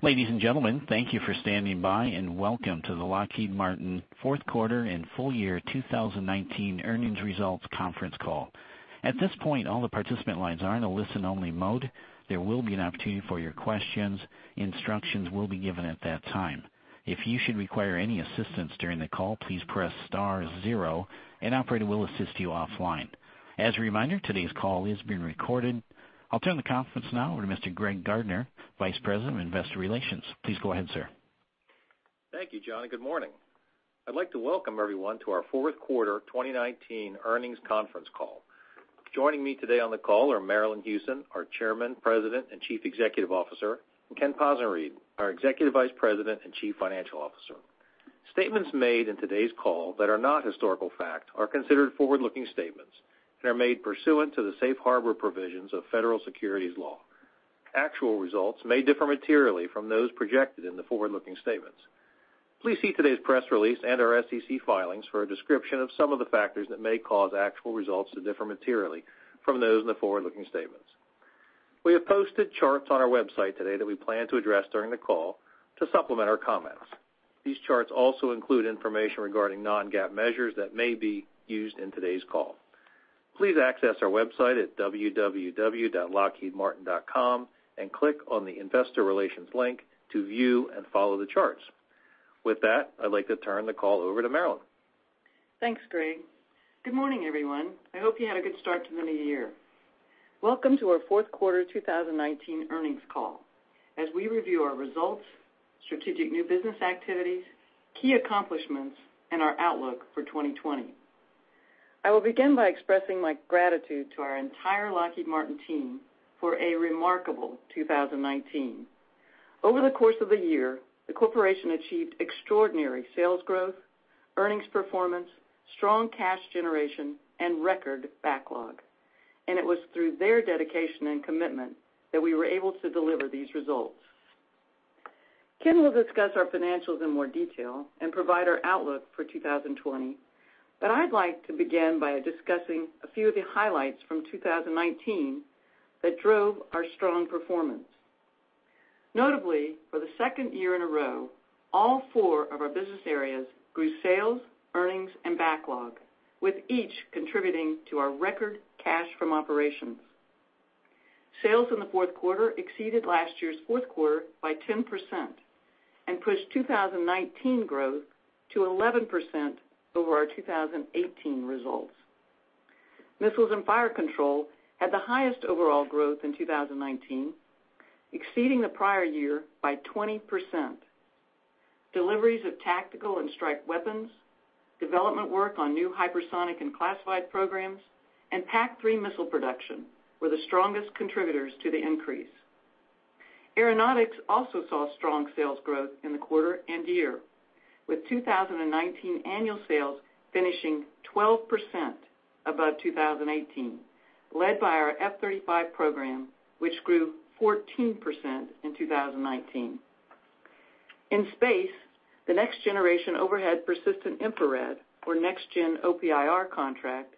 Ladies and gentlemen, thank you for standing by and welcome to the Lockheed Martin fourth quarter and full year 2019 earnings results conference call. At this point, all the participant lines are in a listen-only mode. There will be an opportunity for your questions. Instructions will be given at that time. If you should require any assistance during the call, please press star zero, and an operator will assist you offline. As a reminder, today's call is being recorded. I'll turn the conference now over to Mr. Greg Gardner, Vice President of Investor Relations. Please go ahead, sir. Thank you, John, and good morning. I'd like to welcome everyone to our fourth quarter 2019 earnings conference call. Joining me today on the call are Marillyn Hewson, our Chairman, President, and Chief Executive Officer, and Ken Possenriede, our Executive Vice President and Chief Financial Officer. Statements made in today's call that are not historical fact are considered forward-looking statements and are made pursuant to the safe harbor provisions of federal securities law. Actual results may differ materially from those projected in the forward-looking statements. Please see today's press release and our SEC filings for a description of some of the factors that may cause actual results to differ materially from those in the forward-looking statements. We have posted charts on our website today that we plan to address during the call to supplement our comments. These charts also include information regarding non-GAAP measures that may be used in today's call. Please access our website at www.lockheedmartin.com and click on the investor relations link to view and follow the charts. With that, I'd like to turn the call over to Marillyn. Thanks, Greg. Good morning, everyone. I hope you had a good start to the new year. Welcome to our fourth quarter 2019 earnings call as we review our results, strategic new business activities, key accomplishments, and our outlook for 2020. I will begin by expressing my gratitude to our entire Lockheed Martin team for a remarkable 2019. Over the course of the year, the corporation achieved extraordinary sales growth, earnings performance, strong cash generation, and record backlog. And it was through their dedication and commitment that we were able to deliver these results. Ken will discuss our financials in more detail and provide our outlook for 2020, but I'd like to begin by discussing a few of the highlights from 2019 that drove our strong performance. Notably, for the second year in a row, all four of our business areas grew sales, earnings, and backlog, with each contributing to our record cash from operations. Sales in the fourth quarter exceeded last year's fourth quarter by 10% and pushed 2019 growth to 11% over our 2018 results. Missiles and Fire Control had the highest overall growth in 2019, exceeding the prior year by 20%. Deliveries of tactical and strike weapons, development work on new hypersonic and classified programs, and PAC-3 missile production were the strongest contributors to the increase. Aeronautics also saw strong sales growth in the quarter and year, with 2019 annual sales finishing 12% above 2018, led by our F-35 program, which grew 14% in 2019. In Space, the Next Generation Overhead Persistent Infrared, or Next Gen OPIR contract,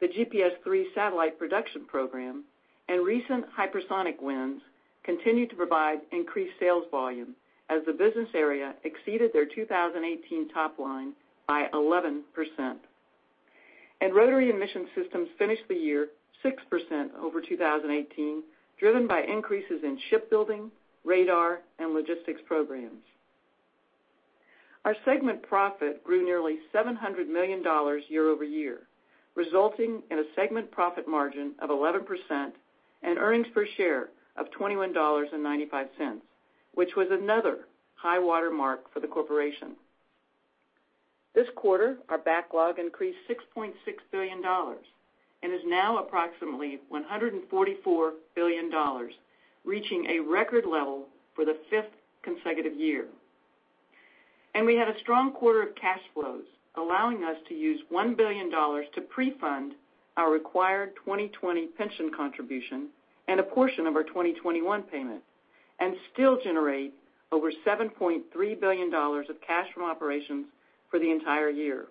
the GPS III satellite production program, and recent hypersonic wins continued to provide increased sales volume as the business area exceeded their 2018 top line by 11%. Rotary and Mission Systems finished the year 6% over 2018, driven by increases in shipbuilding, radar, and logistics programs. Our segment profit grew nearly $700 million year over year, resulting in a segment profit margin of 11% and earnings per share of $21.95, which was another high watermark for the corporation. This quarter, our backlog increased $6.6 billion and is now approximately $144 billion, reaching a record level for the fifth consecutive year. We had a strong quarter of cash flows, allowing us to use $1 billion to pre-fund our required 2020 pension contribution and a portion of our 2021 payment, and still generate over $7.3 billion of cash from operations for the entire year.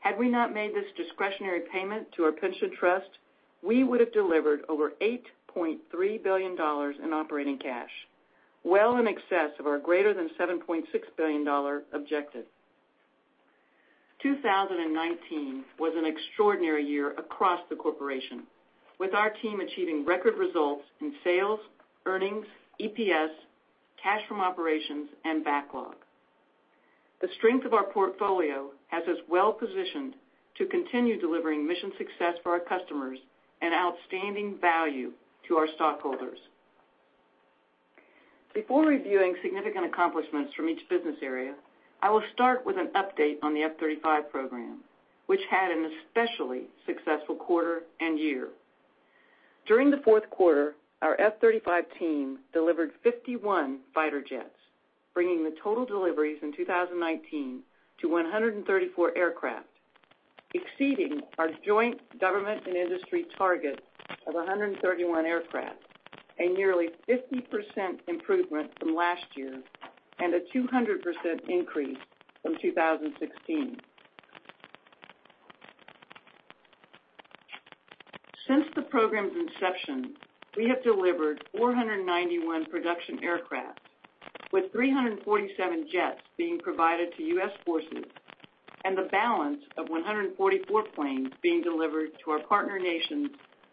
Had we not made this discretionary payment to our pension trust, we would have delivered over $8.3 billion in operating cash, well in excess of our greater than $7.6 billion objective. 2019 was an extraordinary year across the corporation, with our team achieving record results in sales, earnings, EPS, cash from operations, and backlog. The strength of our portfolio has us well positioned to continue delivering mission success for our customers and outstanding value to our stockholders. Before reviewing significant accomplishments from each business area, I will start with an update on the F-35 program, which had an especially successful quarter and year. During the fourth quarter, our F-35 team delivered 51 fighter jets, bringing the total deliveries in 2019 to 134 aircraft, exceeding our joint government and industry target of 131 aircraft, a nearly 50% improvement from last year and a 200% increase from 2016. Since the program's inception, we have delivered 491 production aircraft, with 347 jets being provided to U.S. forces and the balance of 144 planes being delivered to our partner nations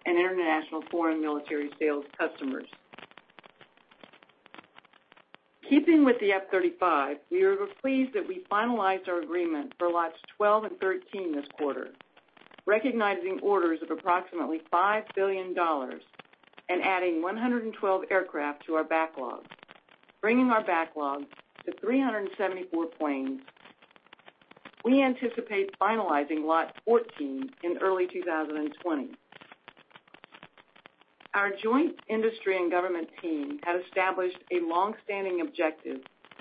and international foreign military sales customers. Keeping with the F-35, we are pleased that we finalized our agreement for Lots 12 and 13 this quarter, recognizing orders of approximately $5 billion and adding 112 aircraft to our backlog, bringing our backlog to 374 planes. We anticipate finalizing Lot 14 in early 2020. Our joint industry and government team had established a longstanding objective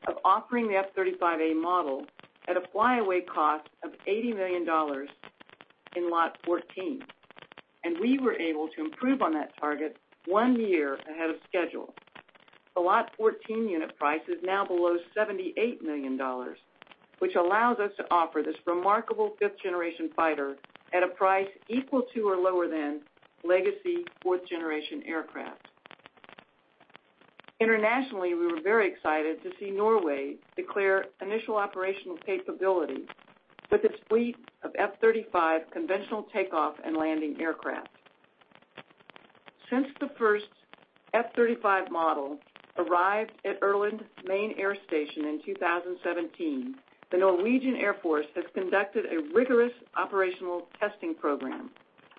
of offering the F-35A model at a flyaway cost of $80 million in Lot 14, and we were able to improve on that target one year ahead of schedule. The Lot 14 unit price is now below $78 million, which allows us to offer this remarkable fifth generation fighter at a price equal to or lower than legacy fourth generation aircraft. Internationally, we were very excited to see Norway declare initial operational capability with its fleet of F-35 Conventional Takeoff and Landing aircraft. Since the first F-35 model arrived at Ørland Main Air Station in 2017, the Norwegian Air Force has conducted a rigorous operational testing program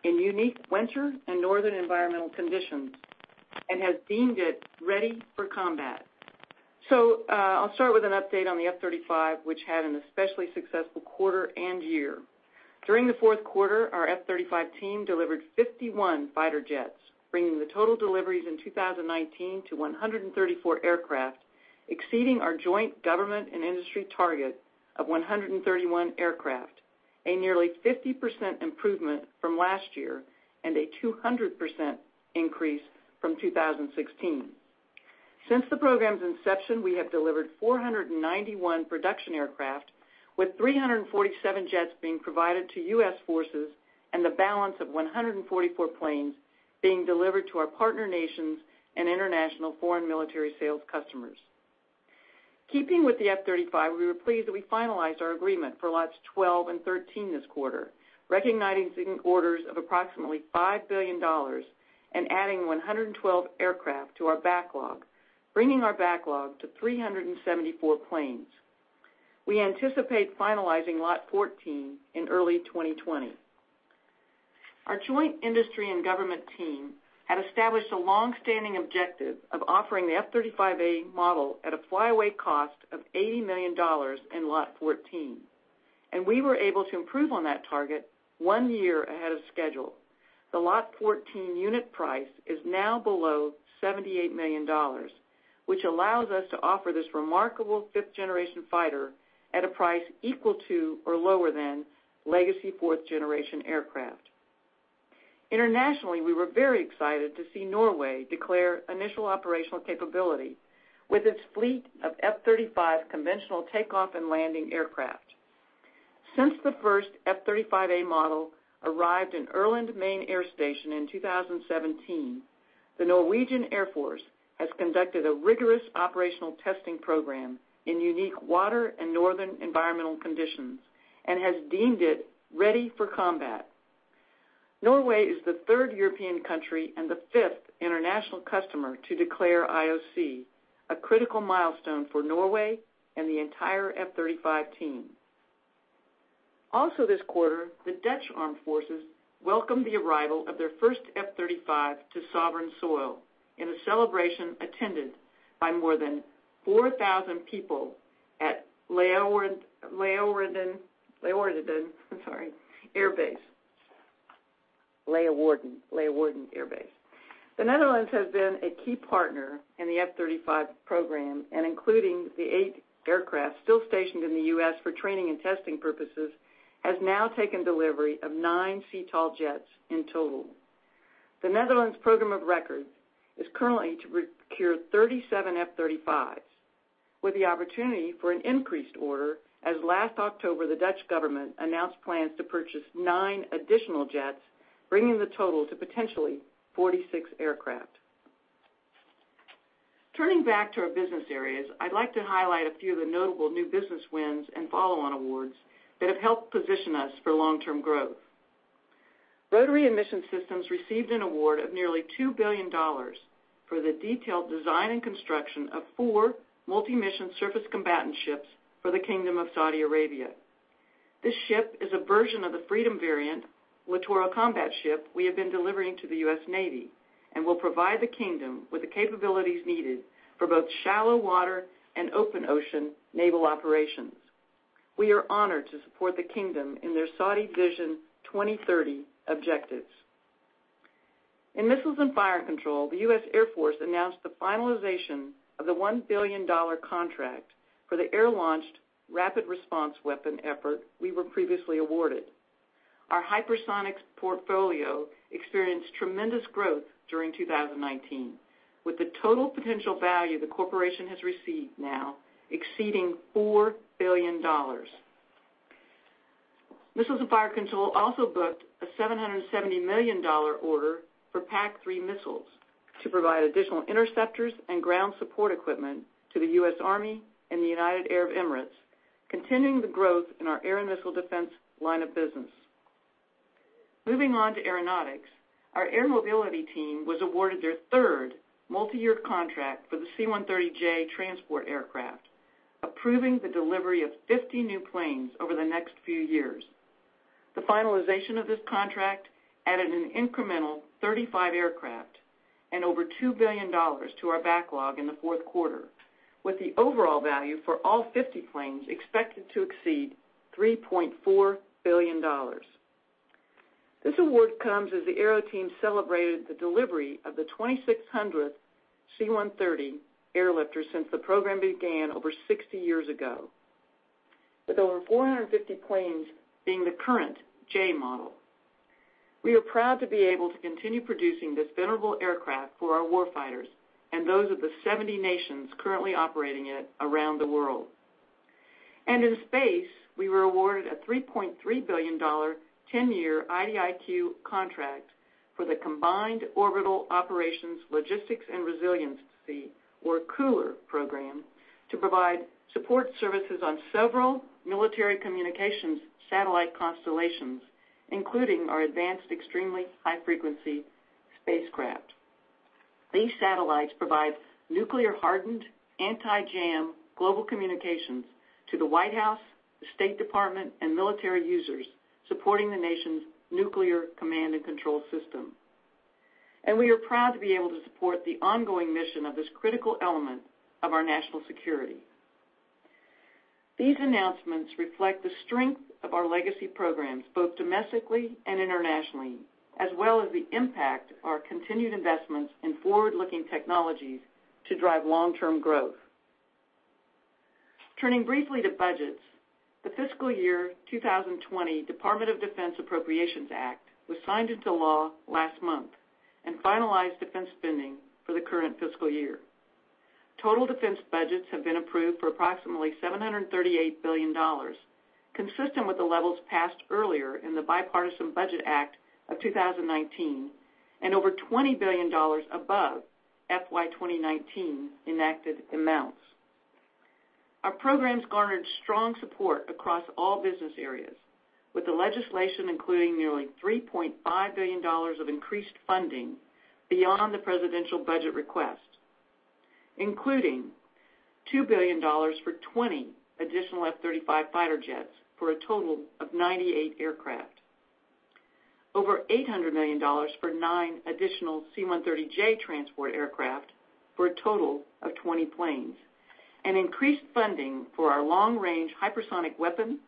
in unique winter and northern environmental conditions and has deemed it ready for combat. I'll start with an update on the F-35, which had an especially successful quarter and year. During the fourth quarter, our F-35 team delivered 51 fighter jets, bringing the total deliveries in 2019 to 134 aircraft, exceeding our joint government and industry target of 131 aircraft, a nearly 50% improvement from last year and a 200% increase from 2016. Since the program's inception, we have delivered 491 production aircraft, with 347 jets being provided to U.S. forces and the balance of 144 planes being delivered to our partner nations and international foreign military sales customers. Keeping with the F-35, we were pleased that we finalized our agreement for Lots 12 and 13 this quarter, recognizing orders of approximately $5 billion and adding 112 aircraft to our backlog, bringing our backlog to 374 planes. We anticipate finalizing Lot 14 in early 2020. Our joint industry and government team had established a longstanding objective of offering the F-35A model at a flyaway cost of $80 million in Lot 14, and we were able to improve on that target one year ahead of schedule. The Lot 14 unit price is now below $78 million, which allows us to offer this remarkable fifth generation fighter at a price equal to or lower than legacy fourth generation aircraft. Internationally, we were very excited to see Norway declare initial operational capability with its fleet of F-35 Conventional Takeoff and Landing aircraft. Since the first F-35A model arrived in Ørland Main Air Station in 2017, the Norwegian Air Force has conducted a rigorous operational testing program in unique water and northern environmental conditions and has deemed it ready for combat. Norway is the third European country and the fifth international customer to declare IOC, a critical milestone for Norway and the entire F-35 team. Also this quarter, the Dutch Armed Forces welcomed the arrival of their first F-35 to sovereign soil in a celebration attended by more than 4,000 people at Leeuwarden Air Base. Leeuwarden Air Base. The Netherlands has been a key partner in the F-35 program, and, including the eight aircraft still stationed in the U.S. for training and testing purposes, has now taken delivery of nine stealth jets in total. The Netherlands program of record is currently to procure 37 F-35s, with the opportunity for an increased order, as last October the Dutch government announced plans to purchase nine additional jets, bringing the total to potentially 46 aircraft. Turning back to our business areas, I'd like to highlight a few of the notable new business wins and follow-on awards that have helped position us for long-term growth. Rotary and Mission Systems received an award of nearly $2 billion for the detailed design and construction of four Multi-Mission Surface Combatant ships for the Kingdom of Saudi Arabia. This ship is a version of the Freedom-variant Littoral Combat Ship we have been delivering to the U.S. Navy and will provide the Kingdom with the capabilities needed for both shallow water and open ocean naval operations. We are honored to support the Kingdom in their Saudi Vision 2030 objectives. In Missiles and Fire Control, the U.S. Air Force announced the finalization of the $1 billion contract for the Air-Launched Rapid Response Weapon effort we were previously awarded. Our hypersonics portfolio experienced tremendous growth during 2019, with the total potential value the corporation has received now exceeding $4 billion. Missiles and Fire Control also booked a $770 million order for PAC-3 missiles to provide additional interceptors and ground support equipment to the U.S. Army and the United Arab Emirates, continuing the growth in our air and missile defense line of business. Moving on to Aeronautics, our air mobility team was awarded their third multi-year contract for the C-130J transport aircraft, approving the delivery of 50 new planes over the next few years. The finalization of this contract added an incremental 35 aircraft and over $2 billion to our backlog in the fourth quarter, with the overall value for all 50 planes expected to exceed $3.4 billion. This award comes as the Aero team celebrated the delivery of the 2,600th C-130 airlifter since the program began over 60 years ago, with over 450 planes being the current J model. We are proud to be able to continue producing this venerable aircraft for our war fighters and those of the 70 nations currently operating it around the world. And in Space, we were awarded a $3.3 billion 10-year IDIQ contract for the Combined Orbital Operations Logistics Resiliency or COOLR program to provide support services on several military communications satellite constellations, including our Advanced Extremely High Frequency Spacecraft. These satellites provide nuclear hardened anti-jam global communications to the White House, the State Department, and military users supporting the nation's nuclear command and control system. And we are proud to be able to support the ongoing mission of this critical element of our national security. These announcements reflect the strength of our legacy programs, both domestically and internationally, as well as the impact of our continued investments in forward-looking technologies to drive long-term growth. Turning briefly to budgets, the fiscal year 2020 Department of Defense Appropriations Act was signed into law last month and finalized defense spending for the current fiscal year. Total defense budgets have been approved for approximately $738 billion, consistent with the levels passed earlier in the Bipartisan Budget Act of 2019 and over $20 billion above FY 2019 enacted amounts. Our programs garnered strong support across all business areas, with the legislation including nearly $3.5 billion of increased funding beyond the Presidential Budget Request, including $2 billion for 20 additional F-35 fighter jets for a total of 98 aircraft, over $800 million for nine additional C-130J transport aircraft for a total of 20 planes, and increased funding Long Range Hypersonic Weapon,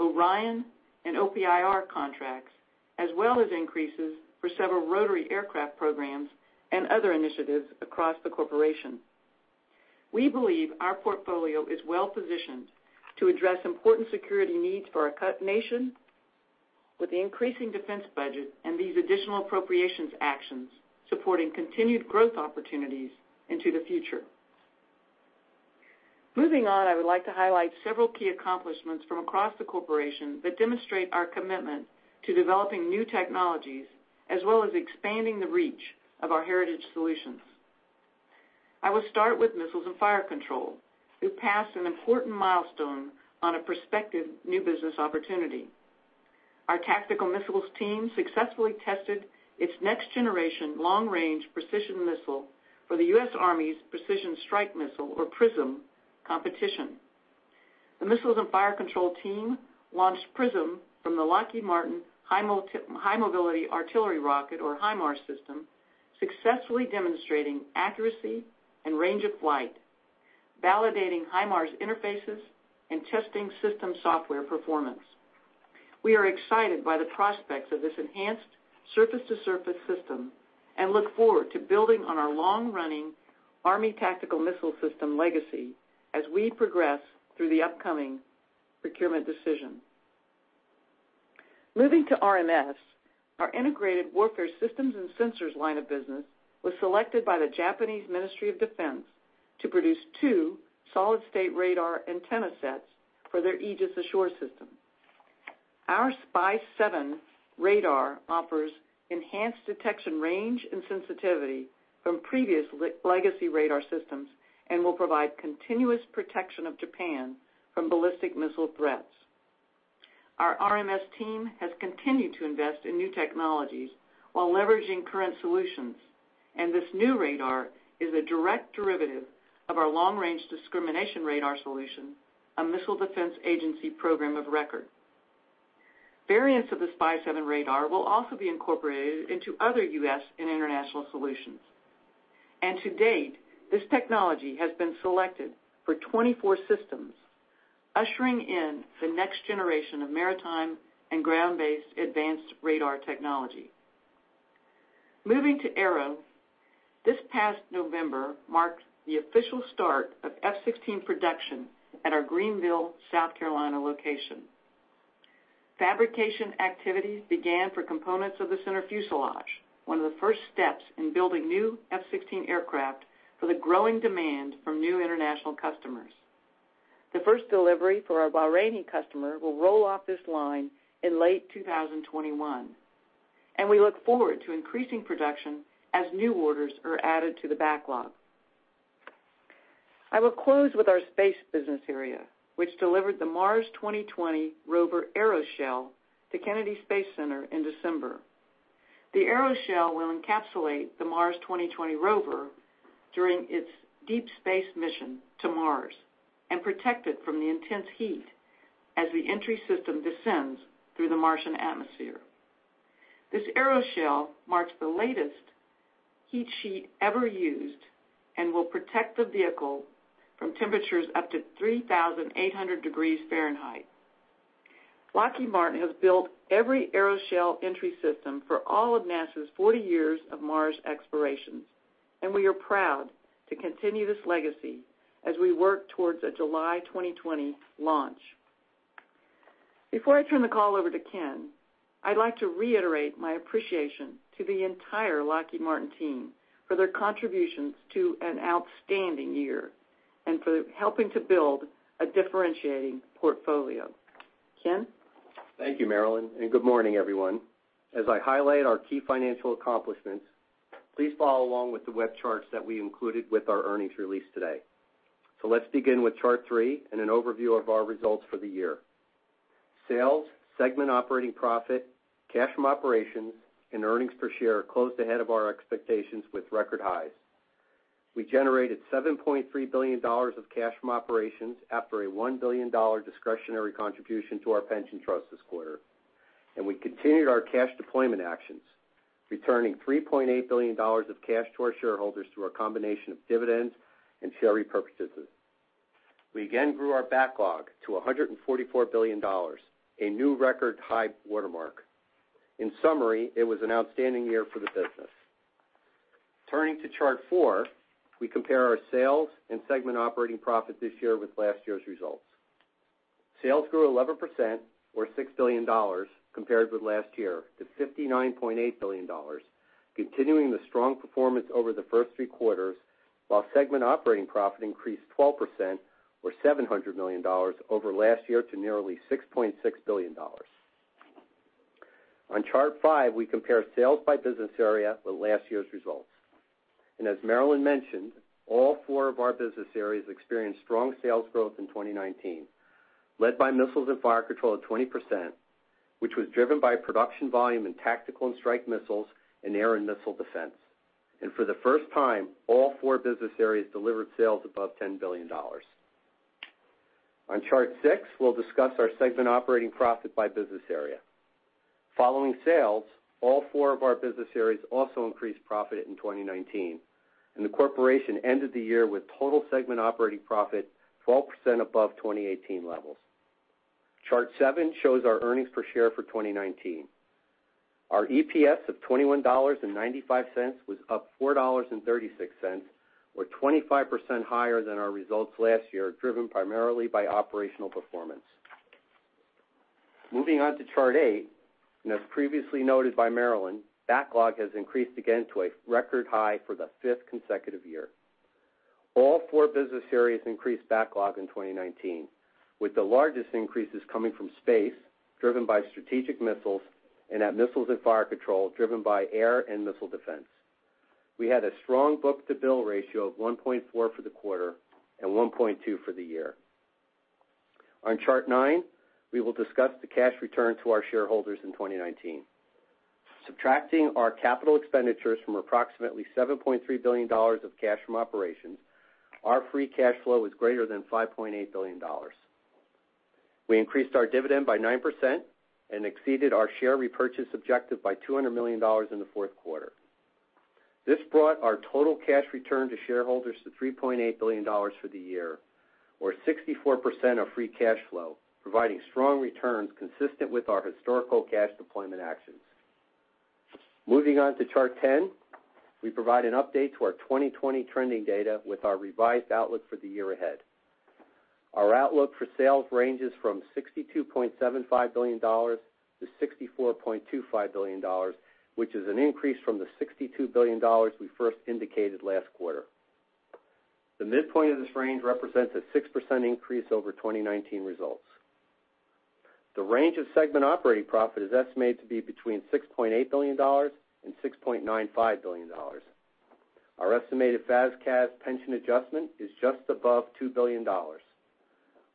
orion, and OPIR contracts, as well as increases for several rotary aircraft programs and other initiatives across the corporation. We believe our portfolio is well positioned to address important security needs for our nation, with the increasing defense budget and these additional appropriations actions supporting continued growth opportunities into the future. Moving on, I would like to highlight several key accomplishments from across the corporation that demonstrate our commitment to developing new technologies as well as expanding the reach of our heritage solutions. I will start with Missiles and Fire Control, which passed an important milestone on a prospective new business opportunity. Our tactical missiles team successfully tested its next generation long-range precision missile for the U.S. Army's Precision Strike Missile, or PrSM, competition. The Missiles and Fire Control team launched PrSM from the Lockheed Martin High Mobility Artillery Rocket System, or HIMARS, system successfully demonstrating accuracy and range of flight, validating HIMARS interfaces, and testing system software performance. We are excited by the prospects of this enhanced surface-to-surface system and look forward to building on our long-running Army Tactical Missile System legacy as we progress through the upcoming procurement decision. Moving to RMS, our Integrated Warfare Systems and Sensors line of business was selected by the Japanese Ministry of Defense to produce two solid-state radar antenna sets for their Aegis Ashore system. Our SPY-7 radar offers enhanced detection range and sensitivity from previous legacy radar systems and will provide continuous protection of Japan from ballistic missile threats. Our RMS team has continued to invest in new technologies while leveraging current solutions, and this new radar is a direct derivative of our Long Range Discrimination Radar solution, a missile defense agency program of record. Variants of the SPY-7 radar will also be incorporated into other U.S. and international solutions. And to date, this technology has been selected for 24 systems, ushering in the next generation of maritime and ground-based advanced radar technology. Moving to Aero, this past November marked the official start of F-16 production at our Greenville, South Carolina location. Fabrication activities began for components of the center fuselage, one of the first steps in building new F-16 aircraft for the growing demand from new international customers. The first delivery for our Bahraini customer will roll off this line in late 2021, and we look forward to increasing production as new orders are added to the backlog. I will close with our Space business area, which delivered the Mars 2020 aeroshell to Kennedy Space Center in December. The aeroshell will encapsulate the Mars 2020 rover during its deep space mission to Mars and protect it from the intense heat as the entry system descends through the Martian atmosphere. This aeroshell marks the latest heat shield ever used and will protect the vehicle from temperatures up to 3,800 degrees Fahrenheit. Lockheed Martin has built every aeroshell entry system for all of NASA's 40 years of Mars explorations, and we are proud to continue this legacy as we work towards a July 2020 launch. Before I turn the call over to Ken, I'd like to reiterate my appreciation to the entire Lockheed Martin team for their contributions to an outstanding year and for helping to build a differentiating portfolio. Ken. Thank you, Marillyn, and good morning, everyone. As I highlight our key financial accomplishments, please follow along with the web charts that we included with our earnings release today. So let's begin with chart three and an overview of our results for the year. Sales, segment operating profit, cash from operations, and earnings per share closed ahead of our expectations with record highs. We generated $7.3 billion of cash from operations after a $1 billion discretionary contribution to our pension trust this quarter, and we continued our cash deployment actions, returning $3.8 billion of cash to our shareholders through a combination of dividends and share repurchases. We again grew our backlog to $144 billion, a new record high watermark. In summary, it was an outstanding year for the business. Turning to chart four, we compare our sales and segment operating profit this year with last year's results. Sales grew 11%, or $6 billion, compared with last year to $59.8 billion, continuing the strong performance over the first three quarters, while segment operating profit increased 12%, or $700 million, over last year to nearly $6.6 billion. On chart five, we compare sales by business area with last year's results. And as Marillyn mentioned, all four of our business areas experienced strong sales growth in 2019, led by Missiles and Fire Control at 20%, which was driven by production volume in tactical and strike missiles and air and missile defense. And for the first time, all four business areas delivered sales above $10 billion. On chart six, we'll discuss our segment operating profit by business area. Following sales, all four of our business areas also increased profit in 2019, and the corporation ended the year with total segment operating profit 12% above 2018 levels. Chart seven shows our earnings per share for 2019. Our EPS of $21.95 was up $4.36, or 25% higher than our results last year, driven primarily by operational performance. Moving on to chart eight, and as previously noted by Marillyn, backlog has increased again to a record high for the fifth consecutive year. All four business areas increased backlog in 2019, with the largest increases coming from Space, driven by strategic missiles, and at Missiles and Fire Control, driven by air and missile defense. We had a strong book-to-bill ratio of 1.4 for the quarter and 1.2 for the year. On chart nine, we will discuss the cash return to our shareholders in 2019. Subtracting our capital expenditures from approximately $7.3 billion of cash from operations, our free cash flow was greater than $5.8 billion. We increased our dividend by 9% and exceeded our share repurchase objective by $200 million in the fourth quarter. This brought our total cash return to shareholders to $3.8 billion for the year, or 64% of free cash flow, providing strong returns consistent with our historical cash deployment actions. Moving on to Chart 10, we provide an update to our 2020 trending data with our revised outlook for the year ahead. Our outlook for sales ranges from $62.75 billion to $64.25 billion, which is an increase from the $62 billion we first indicated last quarter. The midpoint of this range represents a 6% increase over 2019 results. The range of segment operating profit is estimated to be between $6.8 billion and $6.95 billion. Our estimated FAS/CAS pension adjustment is just above $2 billion.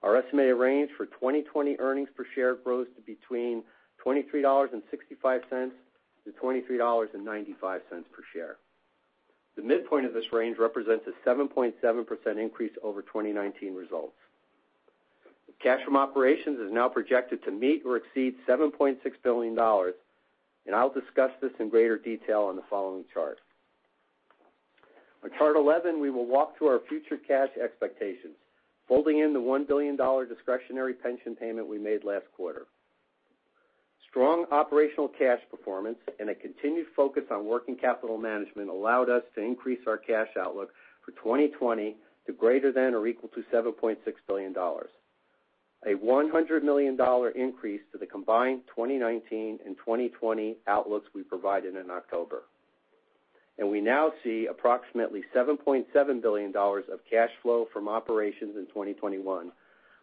Our estimated range for 2020 earnings per share grows to between $23.65 to $23.95 per share. The midpoint of this range represents a 7.7% increase over 2019 results. Cash from operations is now projected to meet or exceed $7.6 billion, and I'll discuss this in greater detail on the following chart. On chart 11, we will walk through our future cash expectations, folding in the $1 billion discretionary pension payment we made last quarter. Strong operational cash performance and a continued focus on working capital management allowed us to increase our cash outlook for 2020 to greater than or equal to $7.6 billion, a $100 million increase to the combined 2019 and 2020 outlooks we provided in October, and we now see approximately $7.7 billion of cash flow from operations in 2021,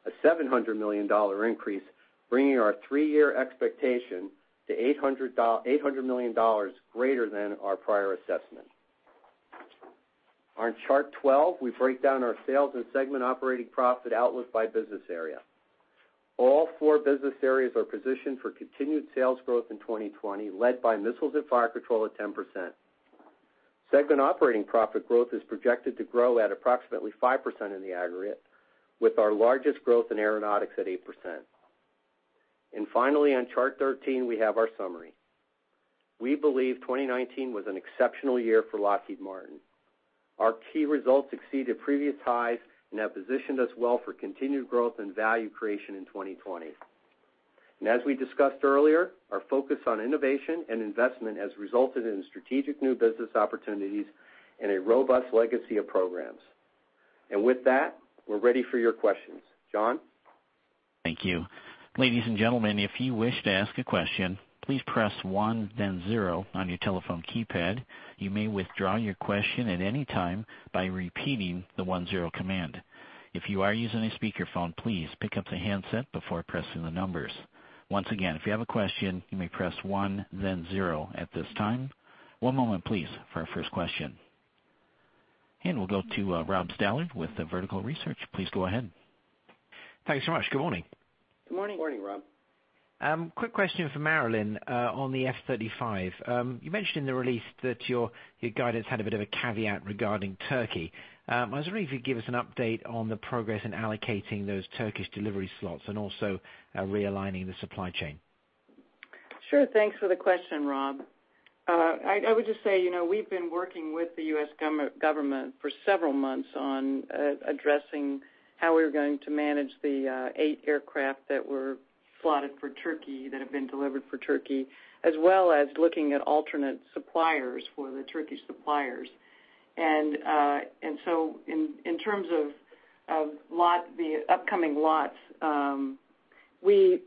a $700 million increase, bringing our three-year expectation to $800 million greater than our prior assessment. On chart 12, we break down our sales and segment operating profit outlook by business area. All four business areas are positioned for continued sales growth in 2020, led by Missiles and Fire Control at 10%. Segment operating profit growth is projected to grow at approximately 5% in the aggregate, with our largest growth in Aeronautics at 8%. And finally, on chart 13, we have our summary. We believe 2019 was an exceptional year for Lockheed Martin. Our key results exceeded previous highs and have positioned us well for continued growth and value creation in 2020. And as we discussed earlier, our focus on innovation and investment has resulted in strategic new business opportunities and a robust legacy of programs. And with that, we're ready for your questions. John? Thank you. Ladies and gentlemen, if you wish to ask a question, please press one, then zero on your telephone keypad. You may withdraw your question at any time by repeating the one-zero command. If you are using a speakerphone, please pick up the handset before pressing the numbers. Once again, if you have a question, you may press one, then zero at this time. One moment, please, for our first question. And we'll go to Rob Stallard with Vertical Research. Please go ahead. Thanks so much. Good morning. Good morning. Good morning, Rob. Quick question for Marillyn on the F-35. You mentioned in the release that your guidance had a bit of a caveat regarding Turkey. I was wondering if you could give us an update on the progress in allocating those Turkish delivery slots and also realigning the supply chain? Sure. Thanks for the question, Rob. I would just say we've been working with the U.S. government for several months on addressing how we're going to manage the eight aircraft that were slotted for Turkey that have been delivered for Turkey, as well as looking at alternate suppliers for the Turkish suppliers. And so in terms of the upcoming lots, we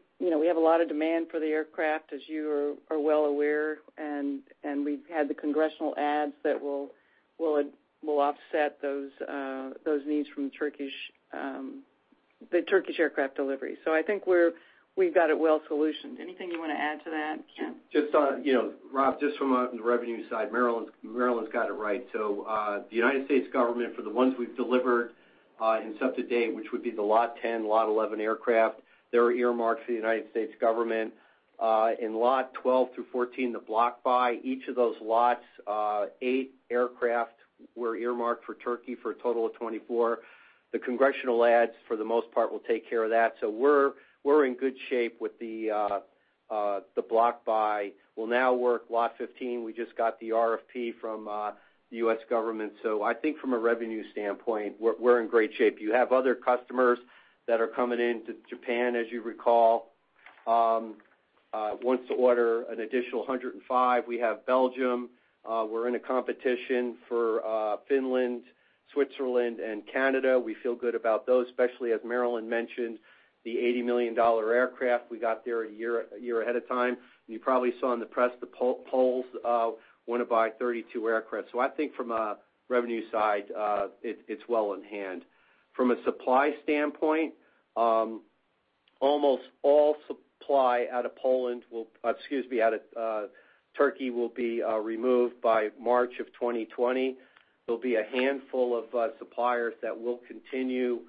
have a lot of demand for the aircraft, as you are well aware, and we've had the congressional adds that will offset those needs from the Turkish aircraft delivery. So I think we've got it well solutioned. Anything you want to add to that? Just, Rob, just from the revenue side, Marillyn's got it right. So the United States government, for the ones we've delivered to date, which would be the Lot 10, Lot 11 aircraft, they're earmarked for the United States government. In Lot 12 through 14, the block buy, each of those lots, eight aircraft were earmarked for Turkey for a total of 24. The congressional adds, for the most part, will take care of that. So we're in good shape with the block buy. We'll now work Lot 15. We just got the RFP from the U.S. government. So I think from a revenue standpoint, we're in great shape. You have other customers that are coming into Japan, as you recall. Wants to order an additional 105. We have Belgium. We're in a competition for Finland, Switzerland, and Canada. We feel good about those, especially as Marillyn mentioned, the $80 million aircraft we got there a year ahead of time. And you probably saw in the press, the Poles want to buy 32 aircraft. So I think from a revenue side, it's well in hand. From a supply standpoint, almost all supply out of Poland will, excuse me, out of Turkey will be removed by March of 2020. There'll be a handful of suppliers that will continue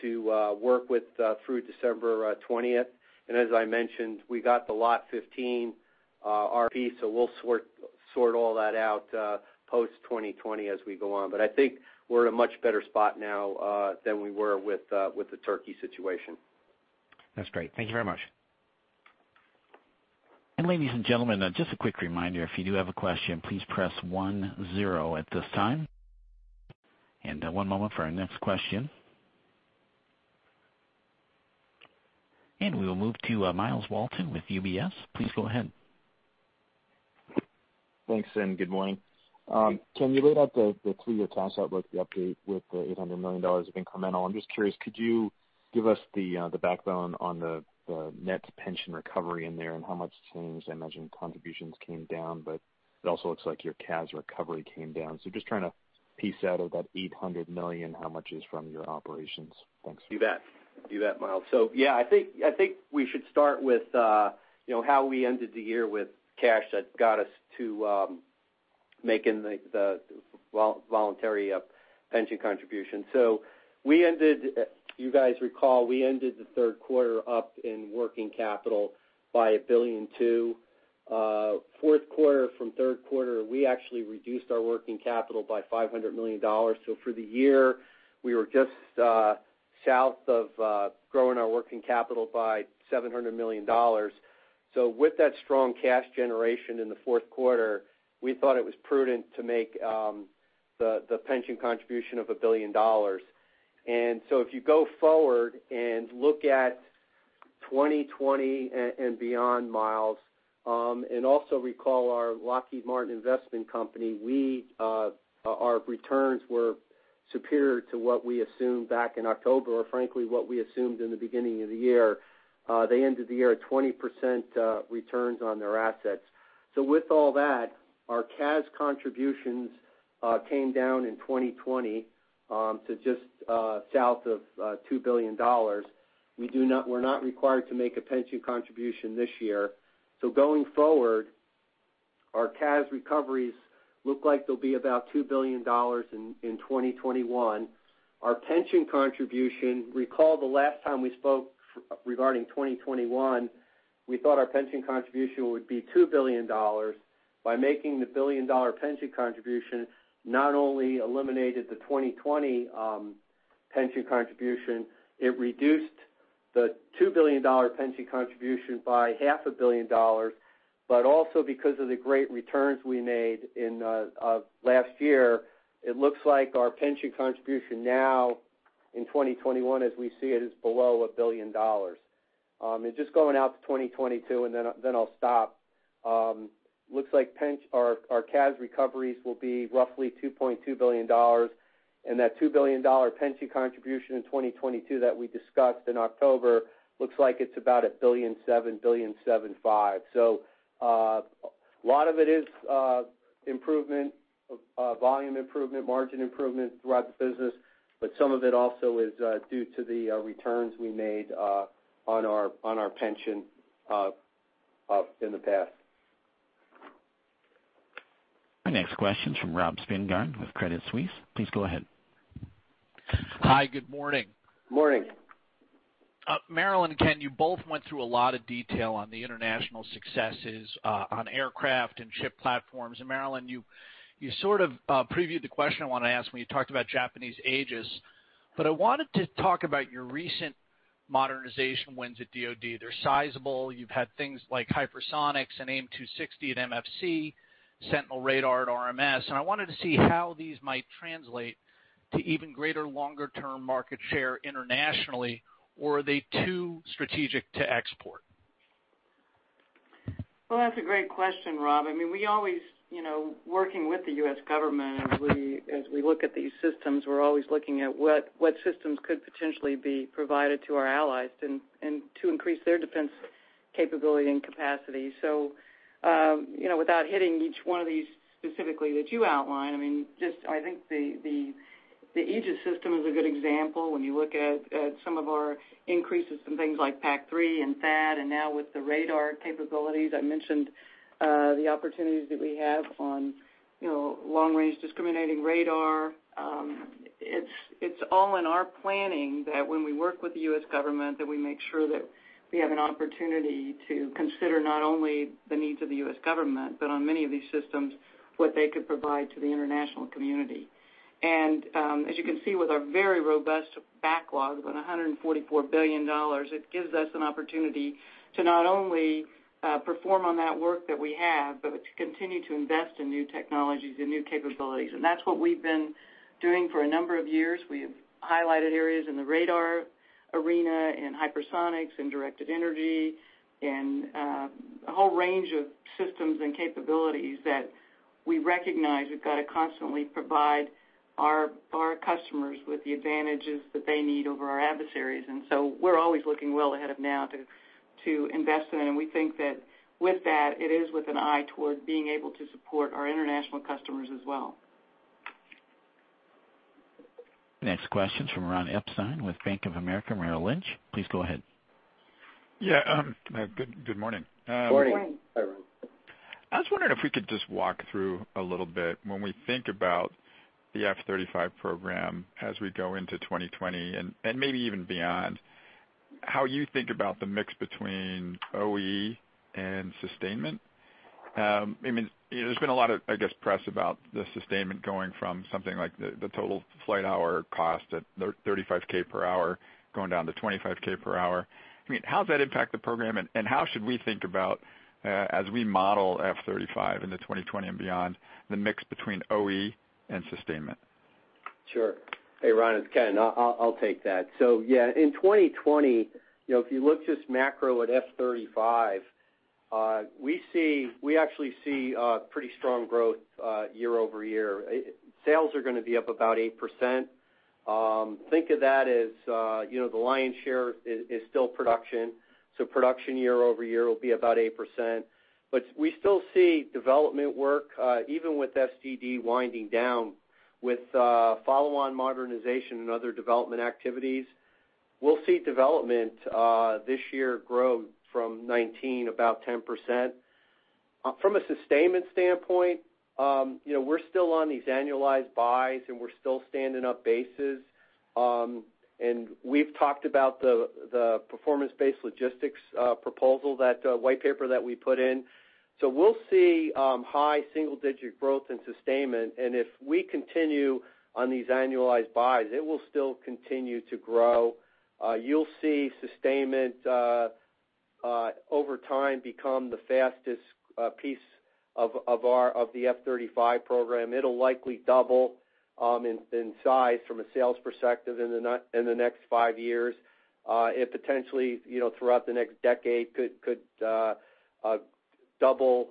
to work with through December 20th. And as I mentioned, we got the Lot 15 RFP, so we'll sort all that out post-2020 as we go on. But I think we're in a much better spot now than we were with the Turkey situation. That's great. Thank you very much. Ladies and gentlemen, just a quick reminder, if you do have a question, please press one, zero at this time. One moment for our next question. We will move to Myles Walton with UBS. Please go ahead. Thanks, Seth. Good morning. Ken, you laid out the three-year cash outlook update with the $800 million of incremental. I'm just curious, could you give us the breakdown on the net pension recovery in there and how much change, I imagine, contributions came down, but it also looks like your CAS recovery came down. So just trying to break out of that $800 million, how much is from your operations? Thanks. Do that, Miles. So yeah, I think we should start with how we ended the year with cash that got us to making the voluntary pension contribution. So we ended, you guys recall, we ended the third quarter up in working capital by $1 billion too. Fourth quarter from third quarter, we actually reduced our working capital by $500 million. So for the year, we were just south of growing our working capital by $700 million. So with that strong cash generation in the fourth quarter, we thought it was prudent to make the pension contribution of $1 billion. And so if you go forward and look at 2020 and beyond, Miles, and also recall our Lockheed Martin Investment Company, our returns were superior to what we assumed back in October or frankly, what we assumed in the beginning of the year. They ended the year at 20% returns on their assets. With all that, our CAS contributions came down in 2020 to just south of $2 billion. We're not required to make a pension contribution this year. Going forward, our CAS recoveries look like they'll be about $2 billion in 2021. Our pension contribution, recall the last time we spoke regarding 2021, we thought our pension contribution would be $2 billion. By making the billion-dollar pension contribution, not only eliminated the 2020 pension contribution, it reduced the $2 billion pension contribution by $500 million, but also because of the great returns we made last year, it looks like our pension contribution now in 2021, as we see it, is below $1 billion. Just going out to 2022, and then I'll stop, looks like our CAS recoveries will be roughly $2.2 billion. And that $2 billion pension contribution in 2022 that we discussed in October looks like it's about $1.75 billion. So a lot of it is improvement, volume improvement, margin improvement throughout the business, but some of it also is due to the returns we made on our pension in the past. Our next question is from Rob Spingarn with Credit Suisse. Please go ahead. Hi, good morning. Morning. Marillyn and Ken, you both went through a lot of detail on the international successes on aircraft and ship platforms, and Marillyn, you sort of previewed the question I wanted to ask when you talked about Japanese Aegis, but I wanted to talk about your recent modernization wins at DOD. They're sizable. You've had things like hypersonics and AIM-260 at MFC, Sentinel radar at RMS, and I wanted to see how these might translate to even greater longer-term market share internationally, or are they too strategic to export? That's a great question, Rob. I mean, we always, working with the U.S. government, as we look at these systems, we're always looking at what systems could potentially be provided to our allies to increase their defense capability and capacity. So without hitting each one of these specifically that you outlined, I mean, just I think the Aegis system is a good example when you look at some of our increases in things like PAC-3 and THAAD, and now with the radar capabilities. I mentioned the opportunities that we have on Long Range Discrimination Radar. It's all in our planning that when we work with the U.S. government, that we make sure that we have an opportunity to consider not only the needs of the U.S. government, but on many of these systems, what they could provide to the international community. As you can see, with our very robust backlog of $144 billion, it gives us an opportunity to not only perform on that work that we have, but to continue to invest in new technologies and new capabilities. That's what we've been doing for a number of years. We have highlighted areas in the radar arena and hypersonics and directed energy and a whole range of systems and capabilities that we recognize we've got to constantly provide our customers with the advantages that they need over our adversaries. So we're always looking well ahead of now to invest in it. We think that with that, it is with an eye toward being able to support our international customers as well. Next question is from Ron Epstein with Bank of America Merrill Lynch. Please go ahead. Yeah. Good morning. Good morning. I was wondering if we could just walk through a little bit when we think about the F-35 program as we go into 2020 and maybe even beyond, how you think about the mix between OE and sustainment. I mean, there's been a lot of, I guess, press about the sustainment going from something like the total flight hour cost at 35K per hour going down to 25K per hour. I mean, how does that impact the program? And how should we think about, as we model F-35 into 2020 and beyond, the mix between OE and sustainment? Sure. Hey, Ron, it's Ken. I'll take that. So yeah, in 2020, if you look just macro at F-35, we actually see pretty strong growth year over year. Sales are going to be up about 8%. Think of that as the lion's share is still production. So production year over year will be about 8%. But we still see development work, even with SDD winding down, with follow-on modernization and other development activities. We'll see development this year grow from 19% about 10%. From a sustainment standpoint, we're still on these annualized buys and we're still standing up bases. And we've talked about the performance-based logistics proposal, that white paper that we put in. So we'll see high single-digit growth in sustainment. And if we continue on these annualized buys, it will still continue to grow. You'll see sustainment over time become the fastest piece of the F-35 program. It'll likely double in size from a sales perspective in the next five years. It potentially, throughout the next decade, could double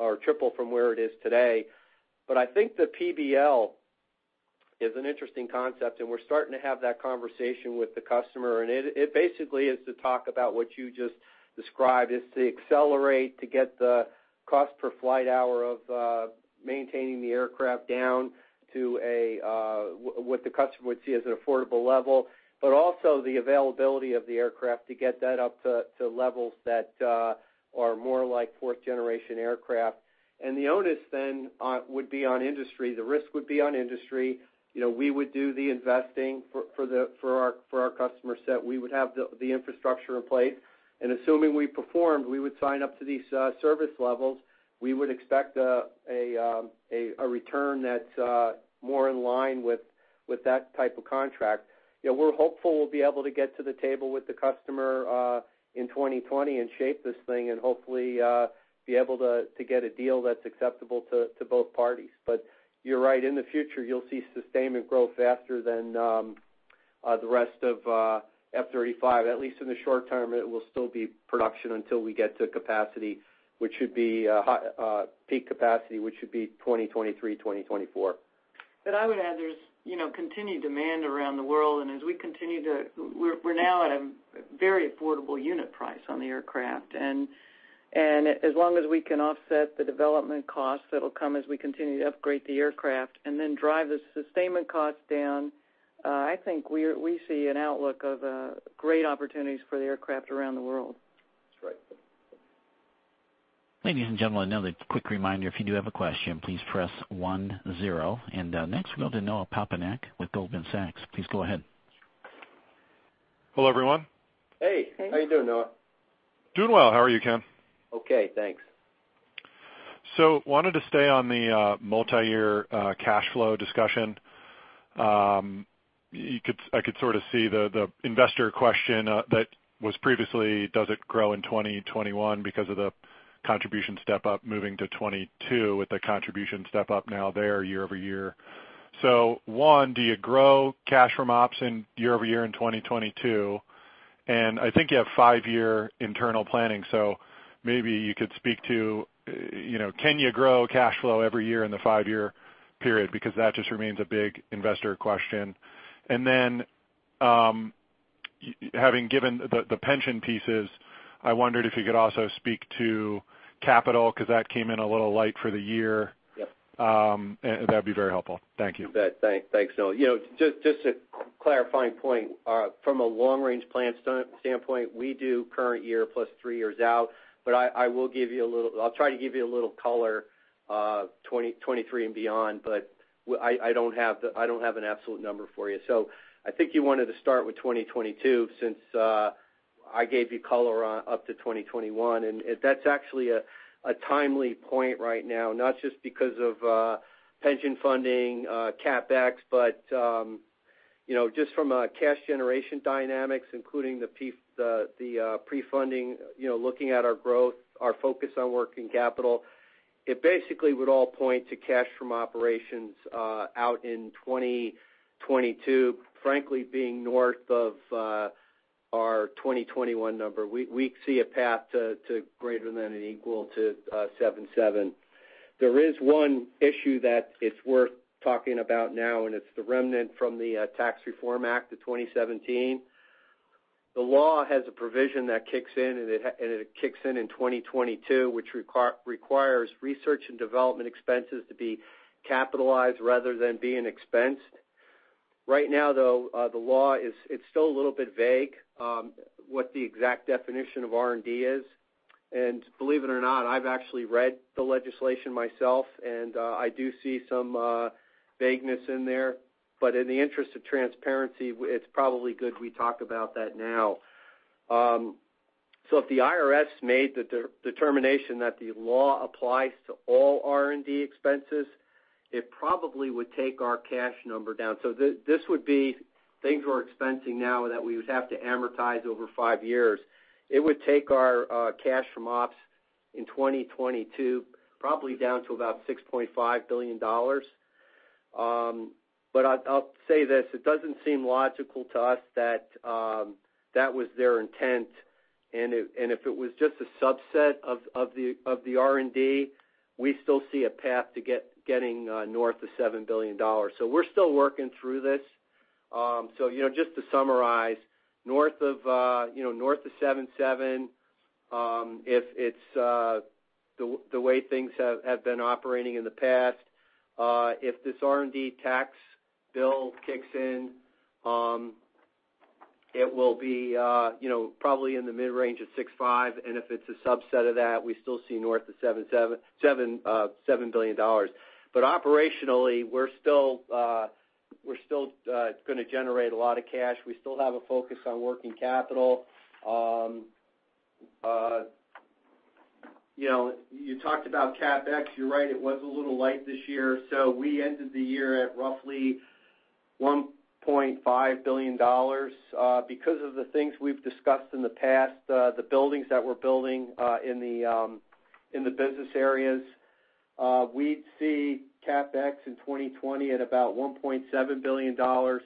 or triple from where it is today, but I think the PBL is an interesting concept, and we're starting to have that conversation with the customer, and it basically is to talk about what you just described. It's to accelerate to get the cost per flight hour of maintaining the aircraft down to what the customer would see as an affordable level, but also the availability of the aircraft to get that up to levels that are more like fourth-generation aircraft, and the onus then would be on industry. The risk would be on industry. We would do the investing for our customer set. We would have the infrastructure in place, and assuming we performed, we would sign up to these service levels. We would expect a return that's more in line with that type of contract. We're hopeful we'll be able to get to the table with the customer in 2020 and shape this thing and hopefully be able to get a deal that's acceptable to both parties. But you're right. In the future, you'll see sustainment grow faster than the rest of F-35. At least in the short term, it will still be production until we get to capacity, which should be peak capacity, which should be 2023-2024. I would add there's continued demand around the world. As we continue to, we're now at a very affordable unit price on the aircraft. As long as we can offset the development costs that'll come as we continue to upgrade the aircraft and then drive the sustainment costs down, I think we see an outlook of great opportunities for the aircraft around the world. That's right. Ladies and gentlemen, another quick reminder. If you do have a question, please press one, zero. And next, we go to Noah Poponak with Goldman Sachs. Please go ahead. Hello, everyone. Hey. How are you doing, Noah? Doing well. How are you, Ken? Okay. Thanks. Wanted to stay on the multi-year cash flow discussion. I could sort of see the investor question that was previously: does it grow in 2021 because of the contribution step-up moving to 2022 with the contribution step-up now there year over year? One, do you grow cash from ops year over year in 2022? I think you have five-year internal planning. Maybe you could speak to, can you grow cash flow every year in the five-year period? Because that just remains a big investor question. Then, having given the pension pieces, I wondered if you could also speak to capital because that came in a little late for the year. Yep. That'd be very helpful. Thank you. You bet. Thanks, Noah. Just a clarifying point. From a long-range plan standpoint, we do current year plus three years out. But I will give you a little color 2023 and beyond, but I don't have an absolute number for you. So I think you wanted to start with 2022 since I gave you color up to 2021. And that's actually a timely point right now, not just because of pension funding, CapEx, but just from cash generation dynamics, including the pre-funding, looking at our growth, our focus on working capital. It basically would all point to cash from operations out in 2022, frankly, being north of our 2021 number. We see a path to greater than and equal to $7.7 billion. There is one issue that it's worth talking about now, and it's the remnant from the Tax Reform Act of 2017. The law has a provision that kicks in, and it kicks in in 2022, which requires research and development expenses to be capitalized rather than being expensed. Right now, though, the law is still a little bit vague what the exact definition of R&D is. And believe it or not, I've actually read the legislation myself, and I do see some vagueness in there. But in the interest of transparency, it's probably good we talk about that now. So if the IRS made the determination that the law applies to all R&D expenses, it probably would take our cash number down. So this would be things we're expensing now that we would have to amortize over five years. It would take our cash from ops in 2022 probably down to about $6.5 billion. But I'll say this. It doesn't seem logical to us that that was their intent. And if it was just a subset of the R&D, we still see a path to getting north of $7 billion. So we're still working through this. So just to summarize, north of seven seven if it's the way things have been operating in the past. If this R&D tax bill kicks in, it will be probably in the mid-range of six five. And if it's a subset of that, we still see north of $7 billion. But operationally, we're still going to generate a lot of cash. We still have a focus on working capital. You talked about CapEx. You're right. It was a little late this year. So we ended the year at roughly $1.5 billion. Because of the things we've discussed in the past, the buildings that we're building in the business areas, we'd see CapEx in 2020 at about $1.7 billion.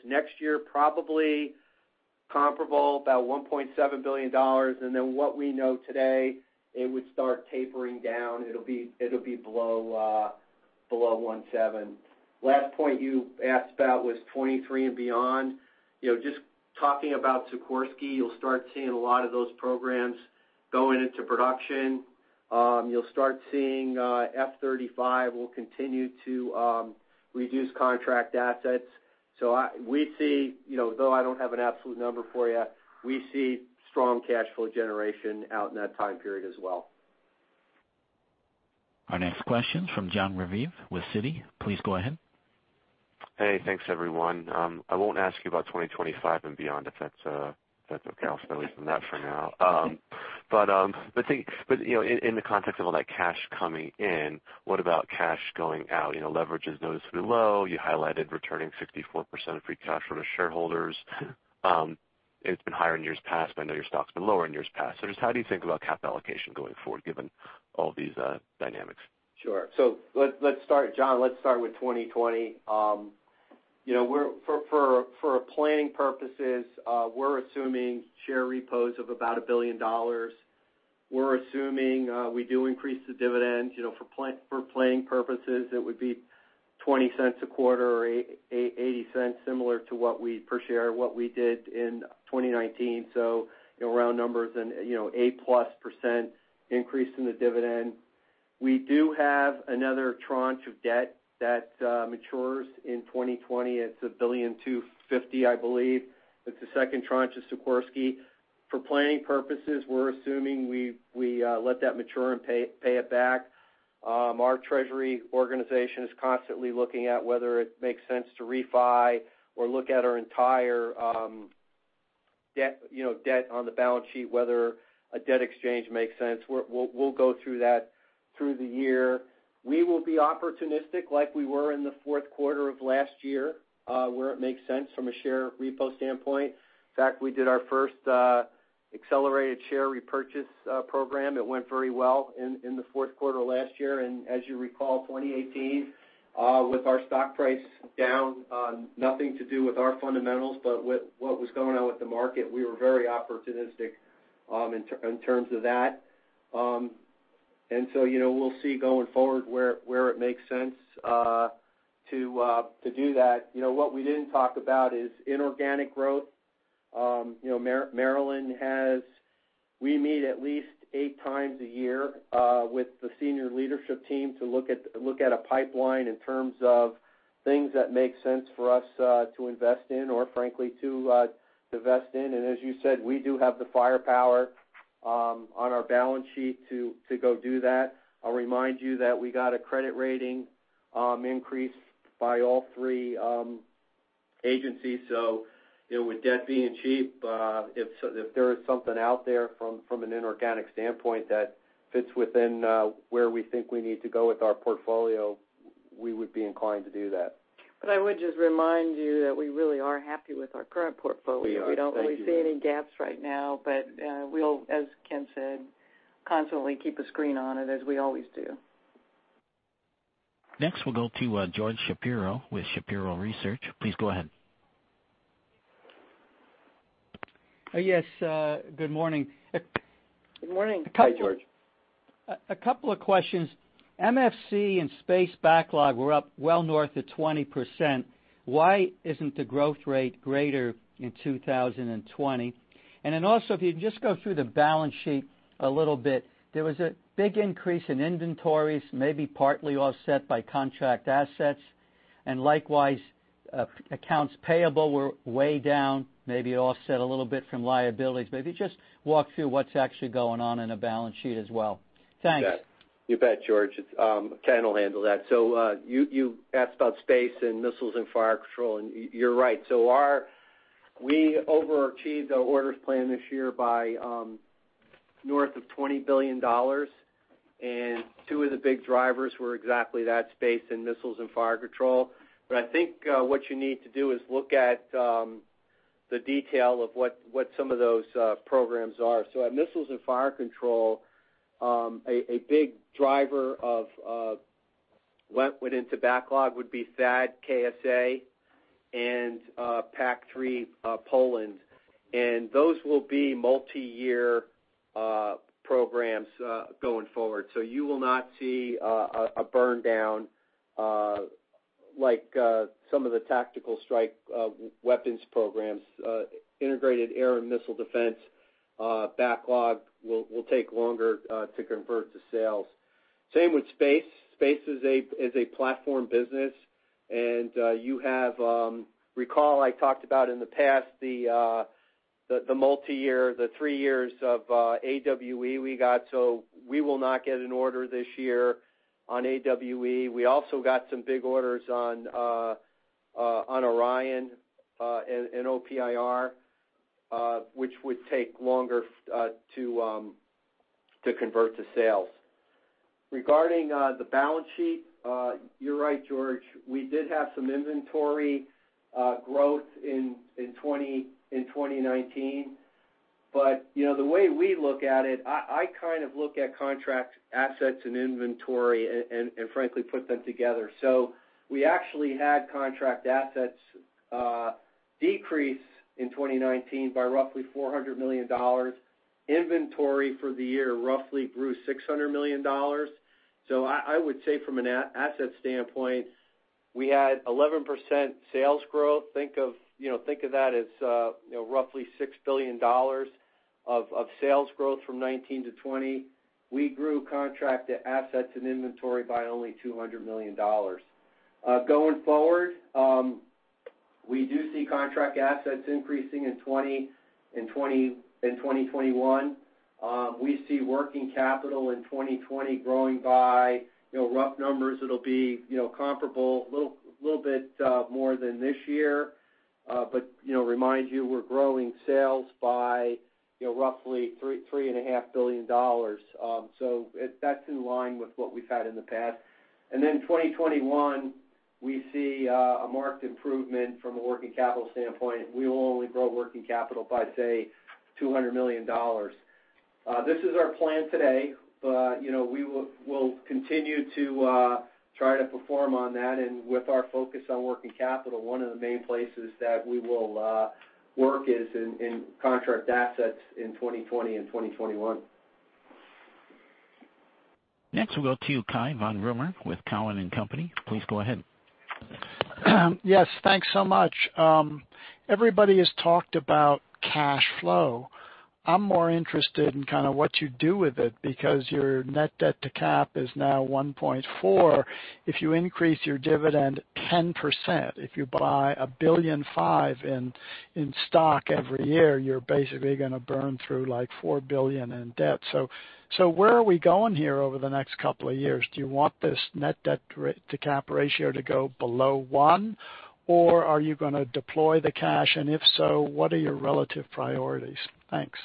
Next year, probably comparable, about $1.7 billion. And then what we know today, it would start tapering down. It'll be below 17. Last point you asked about was 2023 and beyond. Just talking about Sikorsky, you'll start seeing a lot of those programs going into production. You'll start seeing F-35 will continue to reduce contract assets. So we see, though I don't have an absolute number for you, we see strong cash flow generation out in that time period as well. Our next question is from John Raviv with Citi. Please go ahead. Hey, thanks, everyone. I won't ask you about 2025 and beyond if that's okay. I'll stay away from that for now. But in the context of all that cash coming in, what about cash going out? Leverage is noticeably low. You highlighted returning 64% of free cash from the shareholders. It's been higher in years past, but I know your stock's been lower in years past. So just how do you think about cap allocation going forward, given all these dynamics? Sure. So let's start, John. Let's start with 2020. For planning purposes, we're assuming share repos of about $1 billion. We're assuming we do increase the dividend. For planning purposes, it would be $0.20 a quarter or $0.80, similar to what we per share what we did in 2019. So around numbers and 8-plus% increase in the dividend. We do have another tranche of debt that matures in 2020. It's $1.25 billion, I believe. It's the second tranche of Sikorsky. For planning purposes, we're assuming we let that mature and pay it back. Our treasury organization is constantly looking at whether it makes sense to refi or look at our entire debt on the balance sheet, whether a debt exchange makes sense. We'll go through that through the year. We will be opportunistic like we were in the fourth quarter of last year where it makes sense from a share repo standpoint. In fact, we did our first accelerated share repurchase program. It went very well in the fourth quarter last year. And as you recall, 2018, with our stock price down, nothing to do with our fundamentals, but with what was going on with the market, we were very opportunistic in terms of that. And so we'll see going forward where it makes sense to do that. What we didn't talk about is inorganic growth. Marillyn, we meet at least eight times a year with the senior leadership team to look at a pipeline in terms of things that make sense for us to invest in or, frankly, to divest in. And as you said, we do have the firepower on our balance sheet to go do that. I'll remind you that we got a credit rating increase by all three agencies. So with debt being cheap, if there is something out there from an inorganic standpoint that fits within where we think we need to go with our portfolio, we would be inclined to do that. But I would just remind you that we really are happy with our current portfolio. We are. We don't really see any gaps right now, but we'll, as Ken said, constantly keep a screen on it as we always do. Next, we'll go to George Shapiro with Shapiro Research. Please go ahead. Yes. Good morning. Good morning. Hi, George. A couple of questions. MFC and Space backlog were up well north of 20%. Why isn't the growth rate greater in 2020? And then also, if you can just go through the balance sheet a little bit, there was a big increase in inventories, maybe partly offset by contract assets. And likewise, accounts payable were way down, maybe offset a little bit from liabilities. Maybe just walk through what's actually going on in the balance sheet as well. Thanks. You bet. You bet, George. Ken will handle that, so you asked about Space and Missiles and Fire Control, and you're right, so we overachieved our orders plan this year by north of $20 billion, and two of the big drivers were exactly that, Space and Missiles and Fire Control, but I think what you need to do is look at the detail of what some of those programs are, so at Missiles and Fire Control, a big driver of what went into backlog would be THAAD, KSA, and PAC-3 Poland, and those will be multi-year programs going forward, so you will not see a burndown like some of the tactical strike weapons programs. Integrated air and missile defense backlog will take longer to convert to sales. Same with Space. Space is a platform business. And you recall I talked about in the past, the multi-year, the three years of AWE we got. So we will not get an order this year on AWE. We also got some big orders on Orion and OPIR, which would take longer to convert to sales. Regarding the balance sheet, you're right, George. We did have some inventory growth in 2019. But the way we look at it, I kind of look at contract assets and inventory and, frankly, put them together. So we actually had contract assets decrease in 2019 by roughly $400 million. Inventory for the year roughly grew $600 million. So I would say from an asset standpoint, we had 11% sales growth. Think of that as roughly $6 billion of sales growth from 2019 to 2020. We grew contract assets and inventory by only $200 million. Going forward, we do see contract assets increasing in 2021. We see working capital in 2020 growing by rough numbers. It'll be comparable, a little bit more than this year. But remind you, we're growing sales by roughly $3.5 billion. So that's in line with what we've had in the past. And then 2021, we see a marked improvement from a working capital standpoint. We will only grow working capital by, say, $200 million. This is our plan today, but we will continue to try to perform on that. And with our focus on working capital, one of the main places that we will work is in contract assets in 2020 and 2021. Next, we'll cai von rumohr with Cowen and Company. Please go ahead. Yes. Thanks so much. Everybody has talked about cash flow. I'm more interested in kind of what you do with it because your net debt to cap is now 1.4 if you increase your dividend 10%. If you buy $1.5 billion in stock every year, you're basically going to burn through like $4 billion in debt. So where are we going here over the next couple of years? Do you want this net debt to cap ratio to go below one, or are you going to deploy the cash? And if so, what are your relative priorities? Thanks.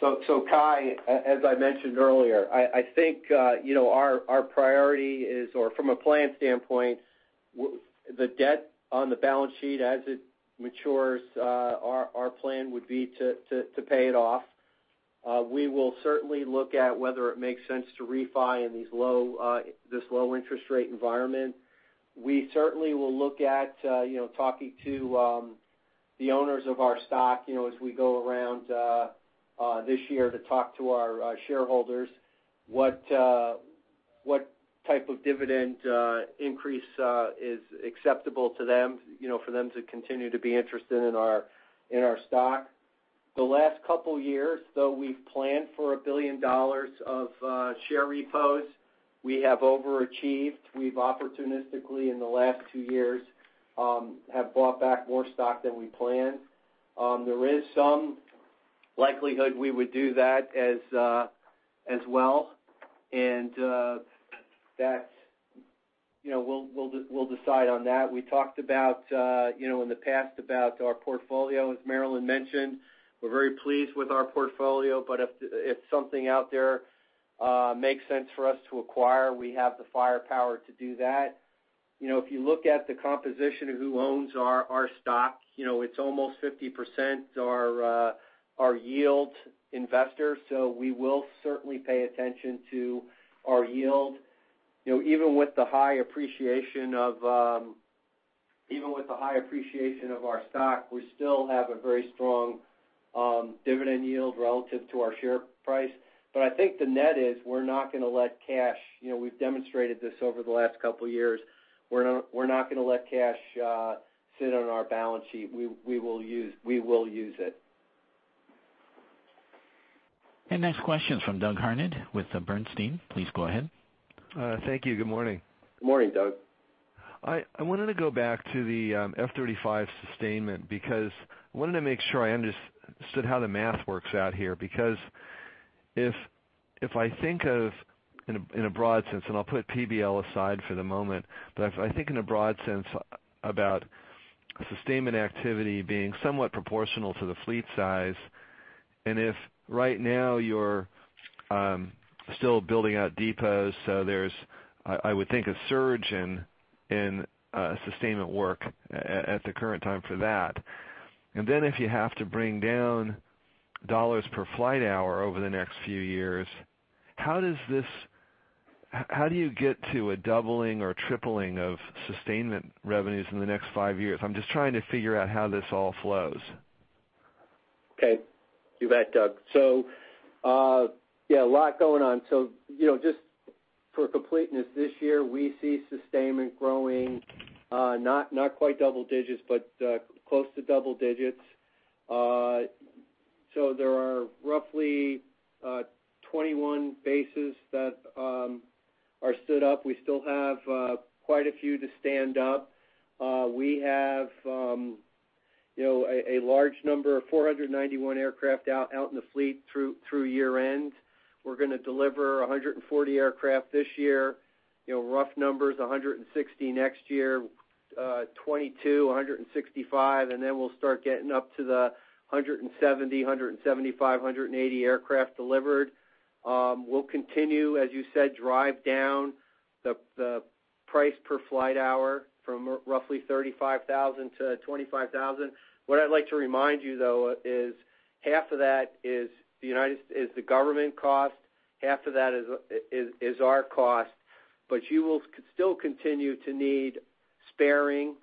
So Cai, as I mentioned earlier, I think our priority is, or from a plan standpoint, the debt on the balance sheet as it matures, our plan would be to pay it off. We will certainly look at whether it makes sense to refi in this low interest rate environment. We certainly will look at talking to the owners of our stock as we go around this year to talk to our shareholders what type of dividend increase is acceptable to them for them to continue to be interested in our stock. The last couple of years, though, we've planned for $1 billion of share repos. We have overachieved. We've opportunistically, in the last two years, bought back more stock than we planned. There is some likelihood we would do that as well. And we'll decide on that. We talked in the past about our portfolio, as Marillyn mentioned. We're very pleased with our portfolio, but if something out there makes sense for us to acquire, we have the firepower to do that. If you look at the composition of who owns our stock, it's almost 50% our yield investors. So we will certainly pay attention to our yield. Even with the high appreciation of our stock, we still have a very strong dividend yield relative to our share price. But I think the net is we're not going to let cash. We've demonstrated this over the last couple of years. We're not going to let cash sit on our balance sheet. We will use it. Next question is from Doug Harned with Bernstein. Please go ahead. Thank you. Good morning. Good morning, Doug. I wanted to go back to the F-35 sustainment because I wanted to make sure I understood how the math works out here. Because if I think of, in a broad sense, and I'll put PBL aside for the moment, but if I think in a broad sense about sustainment activity being somewhat proportional to the fleet size, and if right now you're still building out depots, so there's, I would think, a surge in sustainment work at the current time for that. And then if you have to bring down dollars per flight hour over the next few years, how do you get to a doubling or tripling of sustainment revenues in the next five years? I'm just trying to figure out how this all flows. Okay. You bet, Doug. So yeah, a lot going on. So just for completeness, this year, we see sustainment growing, not quite double digits, but close to double digits. So there are roughly 21 bases that are stood up. We still have quite a few to stand up. We have a large number of 491 aircraft out in the fleet through year-end. We're going to deliver 140 aircraft this year, rough numbers, 160 next year, 2022, 165, and then we'll start getting up to the 170, 175, 180 aircraft delivered. We'll continue, as you said, drive down the price per flight hour from roughly $35,000 to $25,000. What I'd like to remind you, though, is half of that is the government cost. Half of that is our cost. But you will still continue to need spares.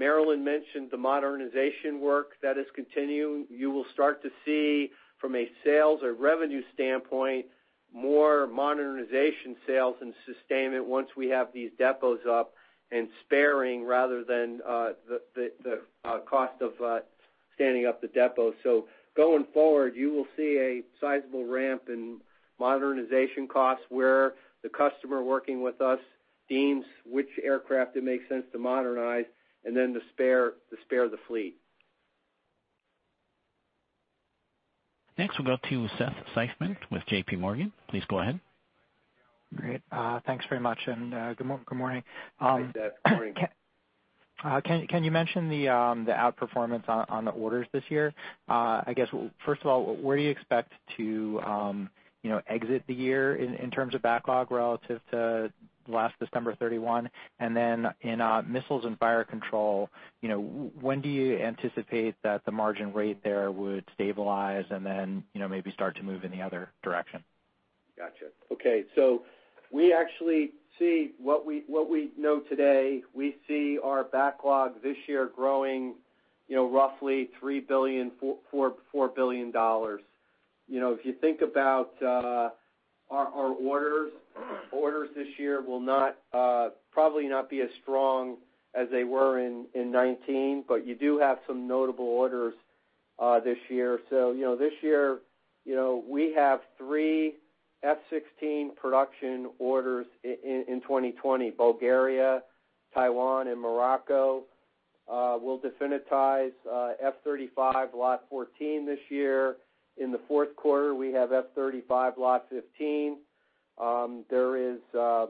Marillyn mentioned the modernization work that is continuing. You will start to see, from a sales or revenue standpoint, more modernization sales and sustainment once we have these depots up and sparing rather than the cost of standing up the depots. So going forward, you will see a sizable ramp in modernization costs where the customer working with us deems which aircraft it makes sense to modernize and then to spare the fleet. Next, we'll go to Seth Seifman with J.P. Morgan. Please go ahead. Great. Thanks very much, and good morning. Good morning. Can you mention the outperformance on the orders this year? I guess, first of all, where do you expect to exit the year in terms of backlog relative to last December 31? And then in Missiles and Fire Control, when do you anticipate that the margin rate there would stabilize and then maybe start to move in the other direction? Gotcha. Okay. So we actually see what we know today. We see our backlog this year growing roughly $3 billion-$4 billion. If you think about our orders, orders this year will probably not be as strong as they were in 2019, but you do have some notable orders this year. So this year, we have three F-16 production orders in 2020: Bulgaria, Taiwan, and Morocco. We'll definitize F-35 Lot 14 this year. In the fourth quarter, we have F-35 Lot 15. There is a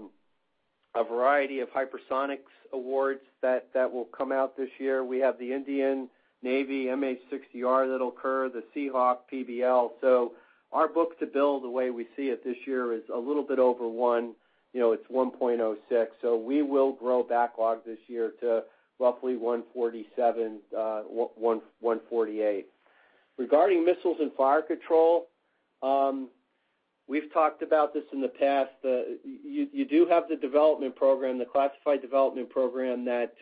variety of hypersonics awards that will come out this year. We have the Indian Navy MH-60R that'll occur, the Seahawk PBL. So our book-to-bill, the way we see it this year, is a little bit over 1. It's 1.06. So we will grow backlog this year to roughly 147-148. Regarding Missiles and Fire Control, we've talked about this in the past. You do have the development program, the classified development program that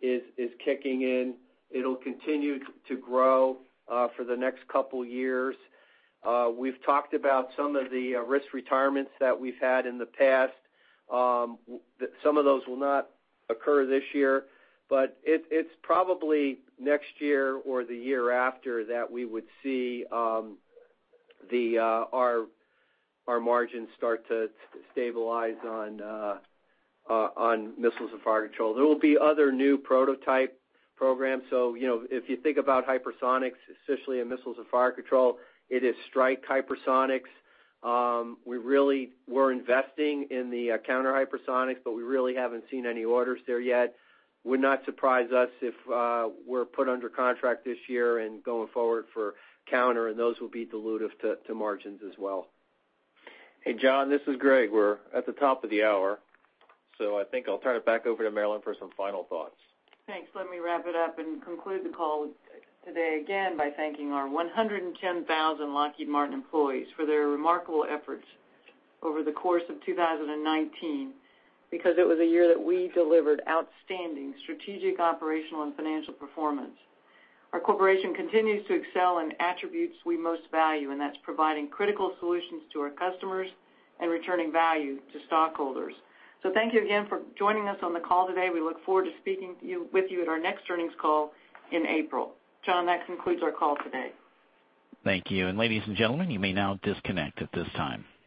is kicking in. It'll continue to grow for the next couple of years. We've talked about some of the risk retirements that we've had in the past. Some of those will not occur this year, but it's probably next year or the year after that we would see our margins start to stabilize on Missiles and Fire Control. There will be other new prototype programs. So if you think about hypersonics, especially in Missiles and Fire Control, it is strike hypersonics. We really were investing in the counter hypersonics, but we really haven't seen any orders there yet. Would not surprise us if we're put under contract this year and going forward for counter, and those will be dilutive to margins as well. Hey, John, this is Greg. We're at the top of the hour. So I think I'll turn it back over to Marillyn for some final thoughts. Thanks. Let me wrap it up and conclude the call today again by thanking our 110,000 Lockheed Martin employees for their remarkable efforts over the course of 2019 because it was a year that we delivered outstanding strategic, operational, and financial performance. Our corporation continues to excel in attributes we most value, and that's providing critical solutions to our customers and returning value to stockholders. So thank you again for joining us on the call today. We look forward to speaking with you at our next earnings call in April. John, that concludes our call today. Thank you. And ladies and gentlemen, you may now disconnect at this time.